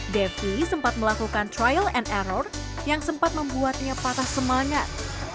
devi sempat melakukan trial and error yang sempat membuatnya patah semangat